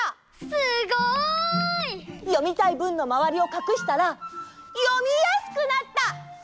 すごい！読みたいぶんのまわりをかくしたら読みやすくなった！